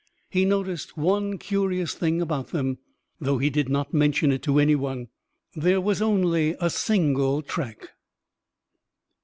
He noticed one curious thing about them though he did not mention it to any one: There was only a single track.